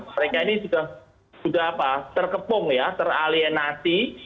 mereka ini sudah terkepung ya teralienasi